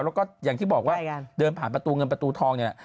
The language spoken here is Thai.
แล้วก็อย่างที่บอกว่าเดินผ่านประตูเงินประตูทองนี่แหละ